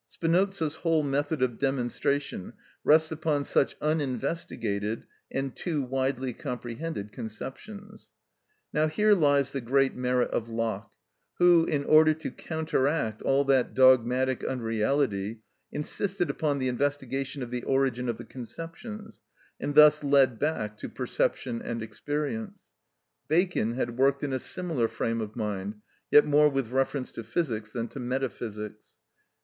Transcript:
Spinoza's whole method of demonstration rests upon such uninvestigated and too widely comprehended conceptions. Now here lies the great merit of Locke, who, in order to counteract all that dogmatic unreality, insisted upon the investigation of the origin of the conceptions, and thus led back to perception and experience. Bacon had worked in a similar frame of mind, yet more with reference to Physics than to Metaphysics.